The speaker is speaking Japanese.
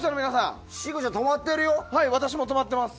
私も止まってます